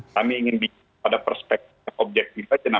kami ingin pada perspektif objektif saja